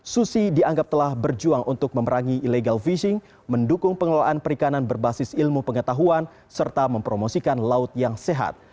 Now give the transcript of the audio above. susi dianggap telah berjuang untuk memerangi illegal fishing mendukung pengelolaan perikanan berbasis ilmu pengetahuan serta mempromosikan laut yang sehat